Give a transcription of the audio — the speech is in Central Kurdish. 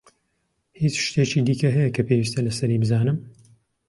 هیچ شتێکی دیکە هەیە کە پێویستە لەسەری بزانم؟